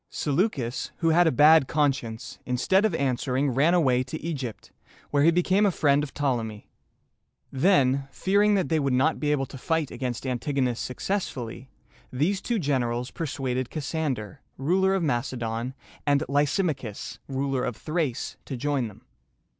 Seleucus, who had a bad conscience, instead of answering, ran away to Egypt, where he became a friend of Ptolemy. Then, fearing that they would not be able to fight against Antigonus successfully, these two generals persuaded Cassander, ruler of Macedon, and Ly sim´a chus, ruler of Thrace, to join them.